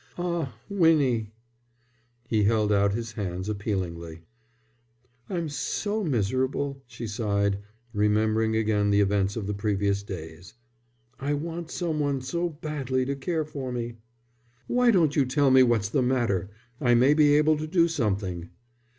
"Ah, Winnie." He held out his hands appealingly. "I'm so miserable," she sighed, remembering again the events of the previous days. "I want some one so badly to care for me." "Why don't you tell me what's the matter? I may be able to do something."